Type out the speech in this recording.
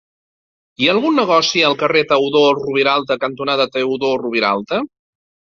Hi ha algun negoci al carrer Teodor Roviralta cantonada Teodor Roviralta?